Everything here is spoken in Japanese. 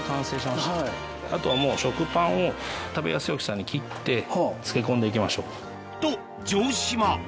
あとはもう食パンを食べやすい大きさに切ってつけ込んでいきましょう。